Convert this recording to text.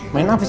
ma main apa sih